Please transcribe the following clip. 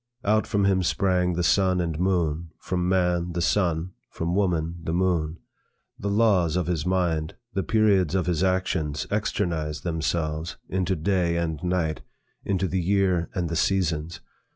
Out from him sprang the sun and moon; from man, the sun; from woman, the moon. The laws of his mind, the periods of his actions externized themselves into day and night, into the year and the seasons.